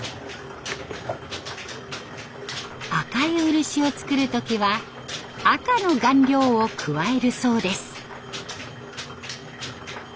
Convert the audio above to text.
赤い漆を作る時は赤の顔料を加えるそうです。